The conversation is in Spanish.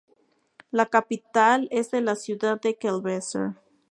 La capital es la ciudad de Kəlbəcər.